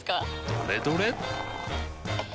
どれどれっ！